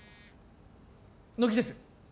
乃木です